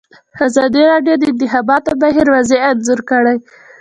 ازادي راډیو د د انتخاباتو بهیر وضعیت انځور کړی.